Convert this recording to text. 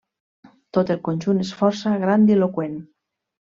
Tot el conjunt és força grandiloqüent.